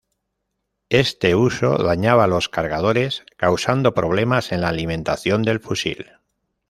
Este uso dañaba los cargadores, causando problemas en la alimentación del fusil.